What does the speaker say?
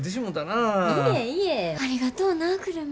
ありがとうな久留美。